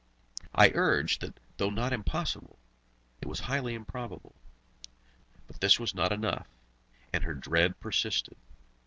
I urged that, though not impossible, it was highly improbable. But this was not enough, and her dread persisted.